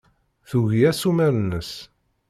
Tugi assumer-nnes.